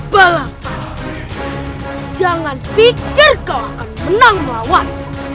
balapan jangan pikir kau akan menang melawan